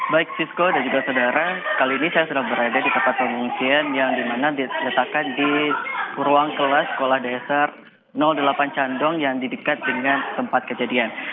baik sisko dan juga saudara kali ini saya sudah berada di tempat pengungsian yang dimana diletakkan di ruang kelas sekolah dasar delapan candong yang didekat dengan tempat kejadian